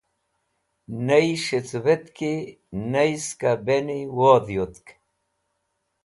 Ney s̃hicuvẽtki ney ska bẽni wodh yutk.